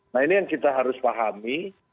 nah ini yang kita harus pahami